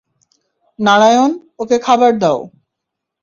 নারায়ণ, ওকে খাবার দাও।